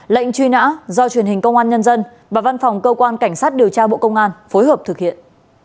lệnh truy nã do truyền hình công an nhân dân và văn phòng cơ quan cảnh sát điều tra bộ công an phối hợp thực hiện